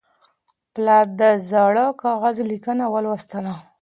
پلار د زاړه کاغذ لیکنه ولوستله.